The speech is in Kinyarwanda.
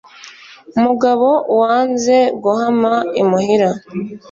mugabo wanze guhama imuhira